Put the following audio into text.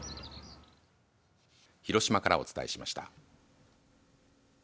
広島からお伝えしました。